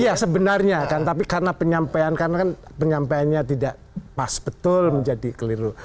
iya sebenarnya kan tapi karena penyampaian karena kan penyampaiannya tidak pas betul menjadi keliru